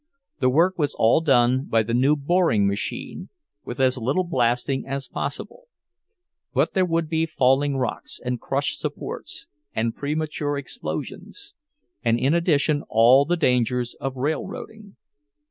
The work was all done by the new boring machinery, with as little blasting as possible; but there would be falling rocks and crushed supports, and premature explosions—and in addition all the dangers of railroading.